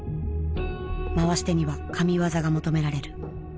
回し手には神業が求められる。